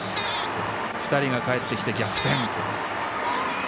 ２人がかえってきて、逆転。